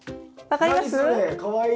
かわいい。